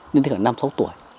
đến khoảng năm sáu tuổi